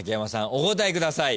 お答えください。